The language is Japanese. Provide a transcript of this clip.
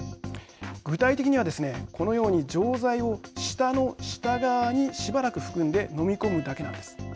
具体的にはですね、このように錠剤を舌の下側にしばらく含んで飲み込むだけなんです。